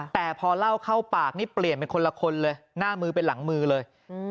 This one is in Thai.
แต่พอเล่าเข้าปากนี่เปลี่ยนเป็นคนละคนเลยหน้ามือเป็นหลังมือเลย